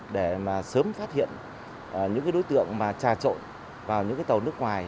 để sớm phát hiện những đối tượng trà trộn vào những tàu nước ngoài